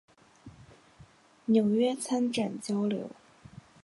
纽约参展交流